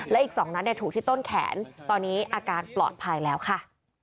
และอีก๒นัดถูกที่ต้นแขนตอนนี้อาการปลอดภัยแล้วค่ะ